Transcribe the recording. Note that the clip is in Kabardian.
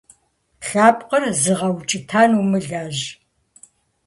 Лъэпкъыр зыгъэукӀытэн умылэжь.